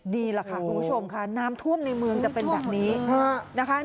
ดีล่ะค่ะคุณผู้ชมค่ะน้ำท่วมในเมืองจะเป็นแบบนี้นะคะ